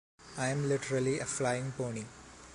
I am literally a flying pony.